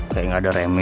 kayak gak ada remnya